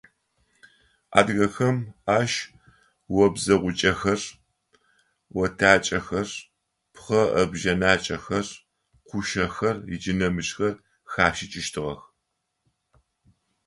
Адыгэхэм ащ обзэгъукӏэхэр, отакӏэхэр, пхъэӏэбжъэнакӏэхэр, кушъэхэр ыкӏи нэмыкӏхэр хашӏыкӏыщтыгъэх.